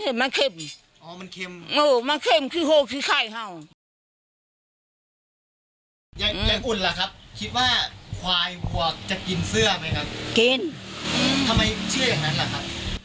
ทำไมเชื่ออย่างนั้นล่ะครับ